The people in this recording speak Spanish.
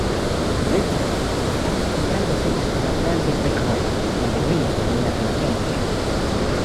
Wilson, estaban comprando sellos como Atlantic Records, donde Green tenía una relación vigente.